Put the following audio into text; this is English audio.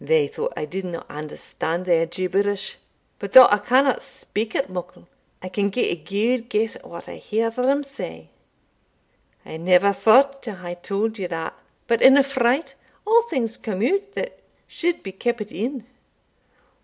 They thought I didna understand their gibberish; but, though I canna speak it muckle, I can gie a gude guess at what I hear them say I never thought to hae tauld ye that, but in a fright a' things come out that suld be keepit in.